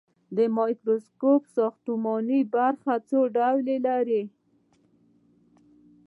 د مایکروسکوپ ساختماني برخې څو ډوله دي.